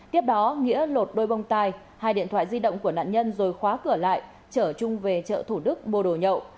tiếp đó nghĩa lột đôi bông tai hai điện thoại di động của nạn nhân rồi khóa cửa lại trở trung về chợ thủ đức mua đồ nhậu